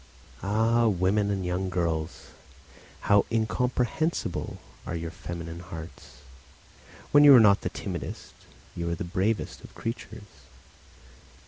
Ah! women and young girls, how incomprehensible are your feminine hearts! When you are not the timidest, you are the bravest of creatures.